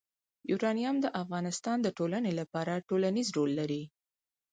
یورانیم د افغانستان د ټولنې لپاره بنسټيز رول لري.